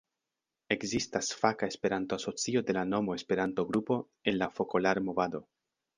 Ekzistas faka Esperanto-asocio de la nomo Esperanto-grupo en la Fokolar-Movado.